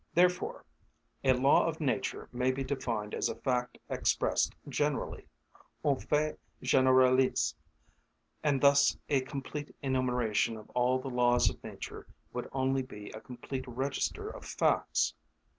Therefore a law of nature may be defined as a fact expressed generally—un fait généralisé—and thus a complete enumeration of all the laws of nature would only be a complete register of facts.